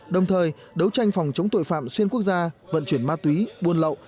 đồng thời đấu tranh phòng chống tội phạm xuyên quốc gia vận chuyển ma túy buôn lậu